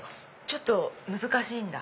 ちょっと難しいんだ。